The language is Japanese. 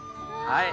はい。